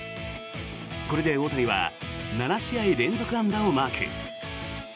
これで大谷は７試合連続安打をマーク。